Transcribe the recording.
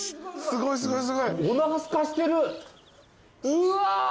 うわ！